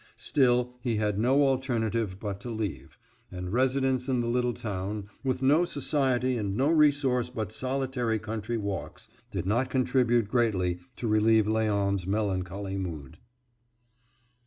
Still he had no alternative but to leave, and residence in the little town, with no society and no resource but solitary country walks, did not contribute greatly to relieve Léon's melancholy mood.